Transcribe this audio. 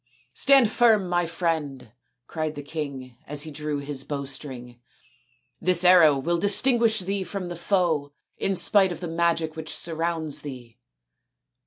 " Stand firm, my friend," cried the king as he drew his bowstring ;" this arrow will distinguish thee SAKUNTALA AND DUSHYANTA 245 from the foe in spite of the magic which surrounds thee."